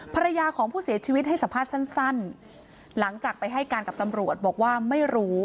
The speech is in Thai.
ภรรยาของผู้เสียชีวิตให้สัมภาษณ์สั้นหลังจากไปให้การกับตำรวจบอกว่าไม่รู้